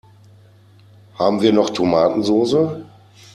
Haben wir noch Tomatensoße?